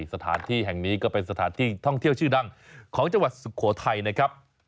สถานที่แห่งนี้ก็เป็นสถานที่ท่องเที่ยวชื่อดังของจังหวัดสุโขทัยนะครับ